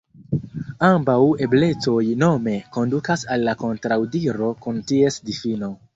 Ambaŭ eblecoj nome kondukas al kontraŭdiro kun ties difino.